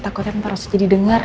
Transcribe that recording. takutnya tante rosa jadi denger